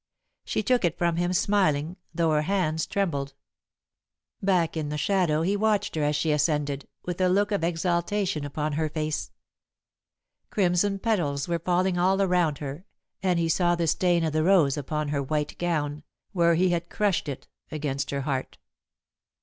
She took it from him, smiling, though her hands trembled. Back in the shadow he watched her as she ascended, with a look of exaltation upon her face. Crimson petals were falling all around her, and he saw the stain of the rose upon her white gown, where he had crushed it against her heart.